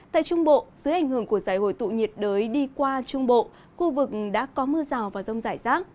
tại trung bộ dưới ảnh hưởng của giải hồi tụ nhiệt đới đi qua trung bộ khu vực đã có mưa rào và rông rải rác